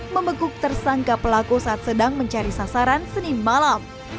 membekuk tersangka pelaku saat sedang mencari sasaran senin malam